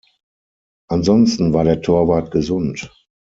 Ansonsten war der Torwart gesund.